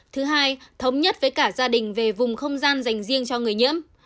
thứ hai thống nhất với cả gia đình về vùng không gian dành riêng cho người nhiễm